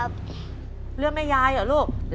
แล้วจะเลือกเรื่องไหนให้แม่แดงขึ้นมาตอบ